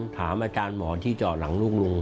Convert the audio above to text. ถามอาจารย์หมอที่เจาะหลังลูกลุง